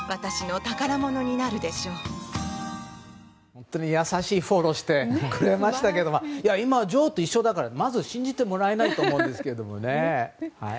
本当に優しいフォローをしてくれましたけど今、女王と一緒だからまず信じてもらえないと思うんですけどね。